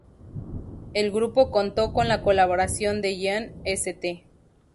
El grupo contó con la colaboración de Jan St.